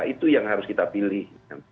itu yang harus kita pilih